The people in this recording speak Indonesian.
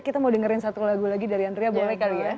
kita mau dengerin satu lagu lagi dari andrea boleh kali ya